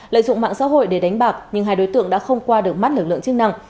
lợi dụng mạng xã hội để đánh bạc nhưng hai đối tượng đã không qua được mắt lực lượng chức năng